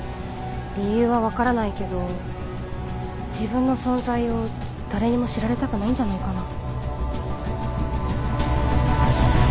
理由は分からないけど自分の存在を誰にも知られたくないんじゃないかな。